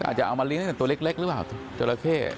อาจจะเอามาลิ้งแต่ตัวเล็กหรือเปล่าเจ้าระเข้